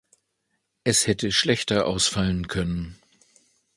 Es hätte schlechter ausfallen können.